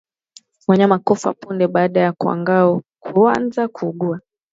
Wanyama kufa punde baada ya kuanza kuugua